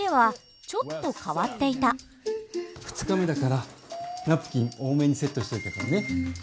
この家は２日目だからナプキン多めにセットしといたからね。